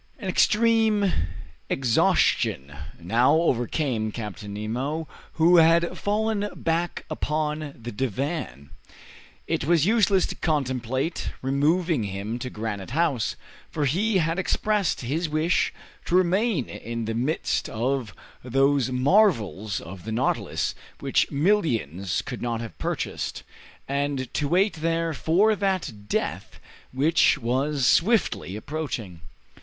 An extreme exhaustion now overcame Captain Nemo, who had fallen back upon the divan. It was useless to contemplate removing him to Granite House, for he had expressed his wish to remain in the midst of those marvels of the "Nautilus" which millions could not have purchased, and to wait there for that death which was swiftly approaching.